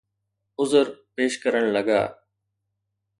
عذر پيش ڪرڻ لڳا.